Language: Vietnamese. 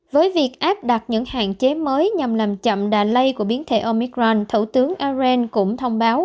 với việc áp đặt những hạn chế mới nhằm làm chậm đà lây của biến thể omicron thủ tướng arren cũng thông báo